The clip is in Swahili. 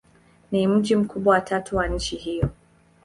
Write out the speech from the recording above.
Ni mji mkubwa wa tatu wa nchi hiyo.